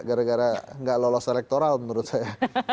gara gara gak lolos elektoral menurut saya